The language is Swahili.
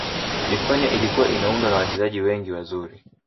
hispania ilikuwa inaundwa na wachezaji wengi wazuri